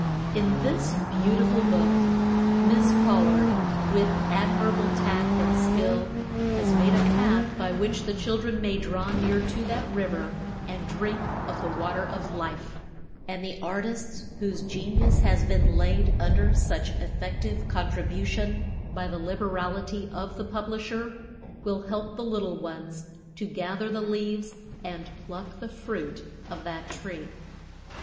In this beautiful book, Miss Pollard, with admirable tact and skill, has made a path by which the children may draw near to that river and drink of the water of life; and the artists whose genius has been laid under such effective contribution by the liberality of the publisher, will help the little ones to gather the leaves and pluck the fruit of that tree.